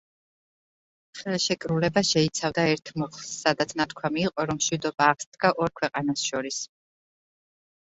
ხელშეკრულება შეიცავდა ერთ მუხლს, სადაც ნათქვამი იყო, რომ მშვიდობა აღსდგა ორ ქვეყანას შორის.